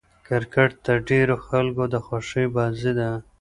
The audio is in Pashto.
کرکټ د ډېرو خلکو د خوښي بازي ده.